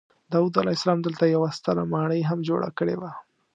داود علیه السلام دلته یوه ستره ماڼۍ هم جوړه کړې وه.